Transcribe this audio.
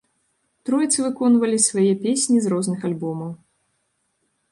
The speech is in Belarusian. Троіца выконвалі свае песні з розных альбомаў.